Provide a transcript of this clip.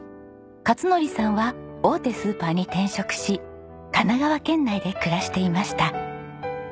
勝則さんは大手スーパーに転職し神奈川県内で暮らしていました。